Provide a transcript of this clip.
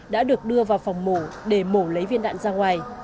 đã được đưa vào phòng mổ để mổ lấy viên đạn ra ngoài